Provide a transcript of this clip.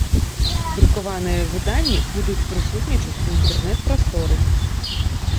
Друкаваныя выданні будуць прысутнічаць у інтэрнэт-прасторы.